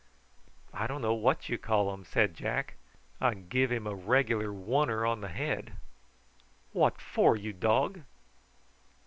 "I don't know what you call 'em," said Jack. "I give him a regular wunner on the head." "What for, you dog?"